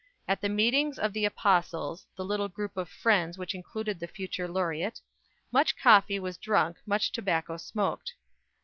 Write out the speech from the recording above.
At the meetings of the "Apostles" the little group of friends which included the future Laureate "much coffee was drunk, much tobacco smoked."